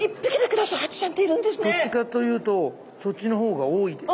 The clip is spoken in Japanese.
どっちかと言うとそっちの方が多いです。